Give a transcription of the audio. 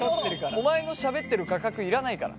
お前のしゃべってる画角要らないから！